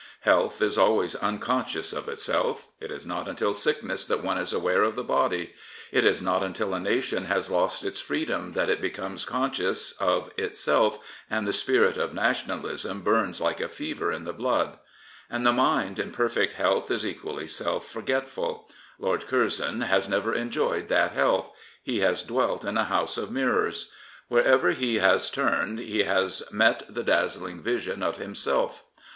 Health is always unconscious of itself. It is not until sickness that one is aware of the body. It is not until a nation has lost its freedom that it becomes conscious of itself and the spirit of nationalism burns like a fever in the blood. And the mind in perfect health is equally self forgetful. Lord Curzon has never enjoyed that health. He has dwelt in a house of mirrors. Wherever he has turned he has met the dazzling vision of himself.